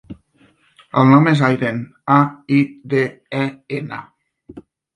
El nom és Aiden: a, i, de, e, ena.